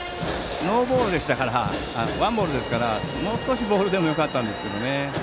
ワンボールですからもう少しボールでもよかったんですけどね。